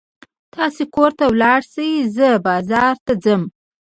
تاسې کور ته ولاړ شئ، زه بازار ته ځم.